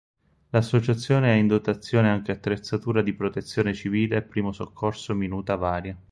L'associazione ha in dotazione anche attrezzatura di protezione civile e primo soccorso minuta varia.